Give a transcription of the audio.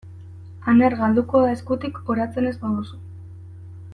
Aner galduko da eskutik oratzen ez baduzu.